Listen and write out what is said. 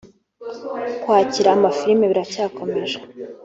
Kwakira amafilime biracyakomeje